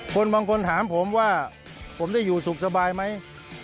คนบางคนถามผมว่าผมได้อยู่สุขสบายไหม